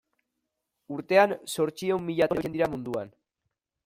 Urtean zortziehun mila tona erabiltzen dira munduan.